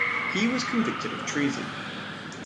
He was convicted of treason.